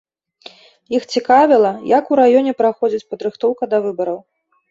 Іх цікавіла, як у раёне праходзіць падрыхтоўка да выбараў.